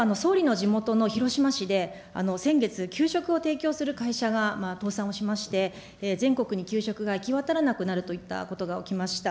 たとえば総理の地元の広島市で、先月、給食を提供する会社が倒産をしまして、全国に給食が行き渡らなくなるといったことが起きました。